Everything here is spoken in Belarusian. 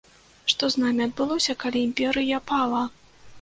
Што з намі адбылося, калі імперыя пала?